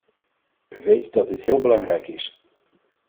We weten dat dit heel belangrijk is.